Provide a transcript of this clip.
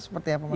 seperti apa pak